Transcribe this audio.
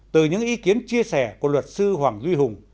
từ những ý kiến chia sẻ của luật sư hoàng duy hùng